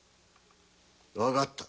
わかった。